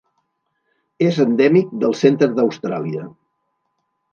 És endèmic del centre d'Austràlia.